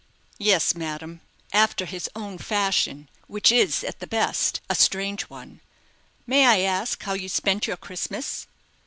"Yes, madame, after his own fashion, which is, at the best, a strange one. May I ask how you spent your Christmas?"